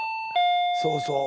そうそう。